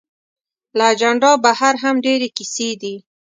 له اجنډا بهر هم ډېرې کیسې دي.